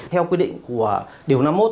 theo quy định của điều năm mươi một